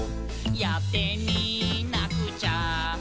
「やってみなくちゃ」